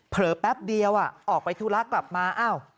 เพลิกแปปเดียวอ่ะออกไปทุลักษณ์กลับมาเฮ้ย